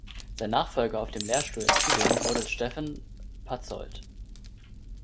Sein Nachfolger auf dem Lehrstuhl in Tübingen wurde Steffen Patzold.